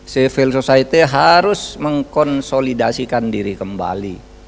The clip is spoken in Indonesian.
civil society harus mengkonsolidasikan diri kembali